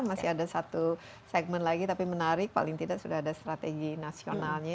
masih ada satu segmen lagi tapi menarik paling tidak sudah ada strategi nasionalnya